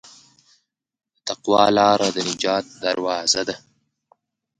د تقوی لاره د نجات دروازه ده.